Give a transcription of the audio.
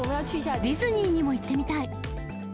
ディズニーにも行ってみたい。